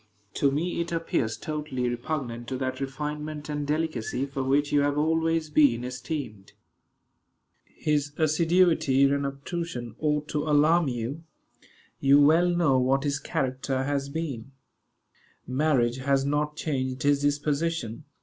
To me it appears totally repugnant to that refinement and delicacy for which you have always been esteemed. "His assiduity and obtrusion ought to alarm you. You well know what his character has been. Marriage has not changed his disposition.